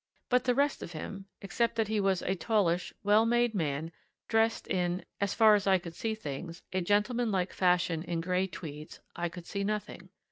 But of the rest of him, except that he was a tallish, well made man, dressed in as far as I could see things a gentlemanlike fashion in grey tweeds, I could see nothing.